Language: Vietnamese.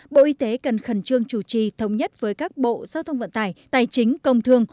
bộ y tế cần khẩn trương chủ trì thống nhất với các bộ giao thông vận tải tài chính công thương